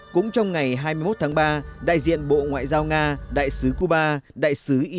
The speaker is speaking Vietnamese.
cũng trong ngày hai mươi một tháng ba đại diện bộ ngoại giao nga đại sứ cuba đại sứ ira